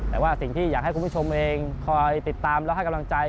แต่ว่าสิ่งที่อยากให้คุณผู้ชมเองคอยติดตามและให้กำลังใจ